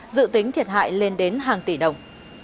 dự tính thiệt hại lên đến hàng tỷ đồng